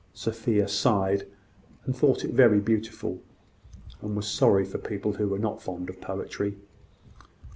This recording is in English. Sophia sighed, and thought it very beautiful, and was sorry for people who were not fond of poetry.